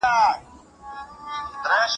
د پتنګ پر وزره هغه میناتور یم